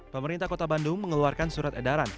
pemerintah kota bandung mengeluarkan surat edaran